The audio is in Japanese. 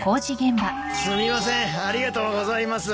すみませんありがとうございます。